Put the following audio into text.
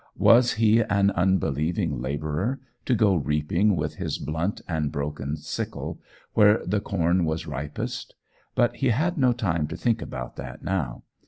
Was he, an unbelieving labourer, to go reaping with his blunt and broken sickle where the corn was ripest! But he had no time to think about that now.